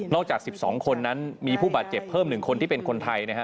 จาก๑๒คนนั้นมีผู้บาดเจ็บเพิ่ม๑คนที่เป็นคนไทยนะฮะ